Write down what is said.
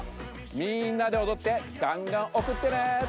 みんなでおどってがんがんおくってね！